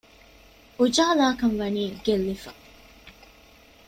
އުޖާލާކަންވަނީ ގެއްލިފަ